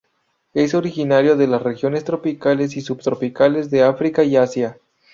Es originario de las regiones tropicales y subtropicales de África y Asia.